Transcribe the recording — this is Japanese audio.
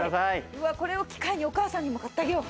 うわっこれを機会にお母さんにも買ってあげよう。